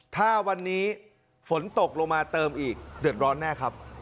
ถ้าวันนี้ฝนตกลงมาเติมอีกเดือดร้อนแน่ครับ